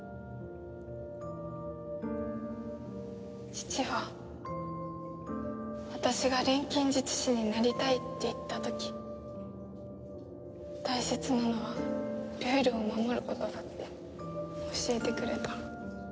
父は私が錬金術師になりたいって言った時大切なのはルールを守ることだって教えてくれた。